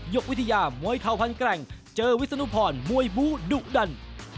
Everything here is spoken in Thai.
กวิทยามวยเข่าพันแกร่งเจอวิศนุพรมวยบูดุดัน